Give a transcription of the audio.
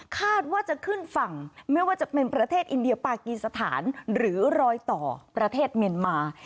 คาดว่าจะขึ้นฝั่งไม่ว่าจะเป็นประเทศอินเดียปากีสถานหรือรอยต่อประเทศเมียนมา